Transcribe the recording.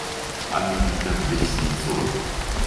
Angewidert wich sie zurück.